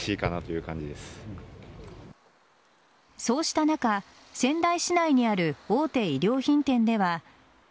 そうした中、仙台市内にある大手衣料品店では。